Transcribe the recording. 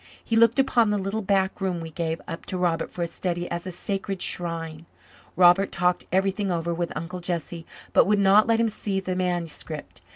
He looked upon the little back room we gave up to Robert for a study as a sacred shrine. Robert talked everything over with Uncle Jesse but would not let him see the manuscript.